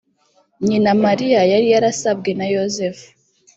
Nyina Mariya yari yarasabwe na Yosefu,